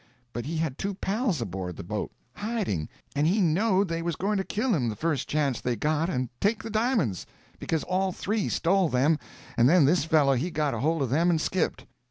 But he had two pals aboard the boat, hiding, and he knowed they was going to kill him the first chance they got and take the di'monds; because all three stole them, and then this fellow he got hold of them and skipped.